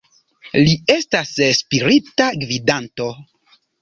Li estas spirita gvidanto.